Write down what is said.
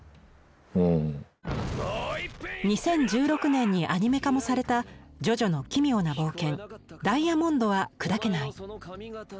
２０１６年にアニメ化もされた「ジョジョの奇妙な冒険ダイヤモンドは砕けない」。